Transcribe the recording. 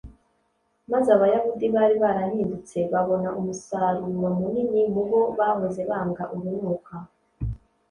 maze Abayahudi bari barahindutse babona umusaruro munini mu bo bahoze banga urunuka.